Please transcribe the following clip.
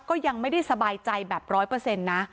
ก็ยังไม่ได้สบายใจแบบร้อยเปอร์เซ็นต์นะ